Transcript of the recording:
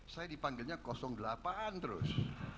saya dipanggilnya delapan terus